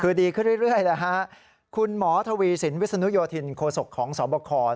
คือดีขึ้นเรื่อยคุณหมอทวีศิลป์วิศนุโยธินโคศกของสวบค